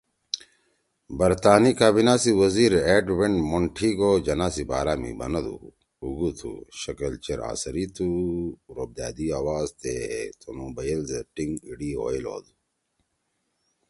برطانی کابینہ سی وزیر ایڈون مونٹیِگو جناح سی بارا می بنَدُو ”اُوگُو تُھو، شکل چیر آثَری تُھو، روبدأبی آواز تے ہے تنُو بنَیل زید ٹیِنگ اِیڑی ہوئیل تُھو“